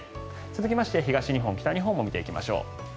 続きまして東日本、北日本も見ていきましょう。